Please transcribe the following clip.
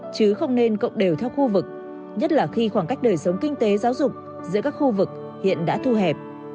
chứ không nên cộng đều theo khu vực nhất là khi khoảng cách đời sống kinh tế giáo dục giữa các khu vực hiện đã thu hẹp